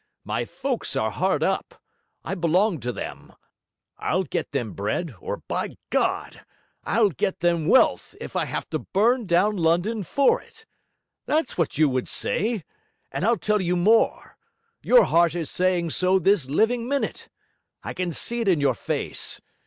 My folks are hard up, I belong to them, I'll get them bread, or, by God! I'll get them wealth, if I have to burn down London for it. That's what you would say. And I'll tell you more: your heart is saying so this living minute. I can see it in your face.